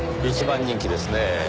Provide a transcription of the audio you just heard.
一番人気ですね